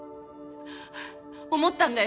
はぁ思ったんだよ。